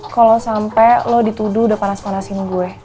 kalo sampe lo dituduh udah panas panasin gue